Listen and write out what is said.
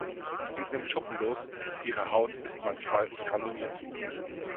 Sie sind schuppenlos, ihre Haut ist manchmal granuliert.